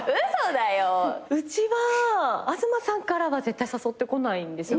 うちは東さんからは絶対誘ってこないんですよ。